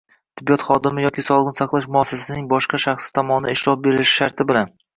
tibbiyot xodimi yoki sog‘liqni saqlash muassasasining boshqa shaxsi tomonidan ishlov berilishi sharti bilan;